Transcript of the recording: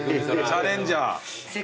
チャレンジャー。